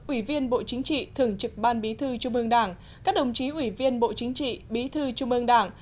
ủy viên bộ chính trị thường trực ban bí thư trung ương đảng các đồng chí ủy viên bộ chính trị bí thư trung ương đảng